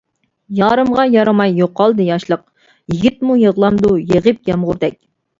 يارىمغا يارىماي يوقالدى ياشلىق، يىگىتمۇ يىغلامدۇ يېغىپ يامغۇردەك.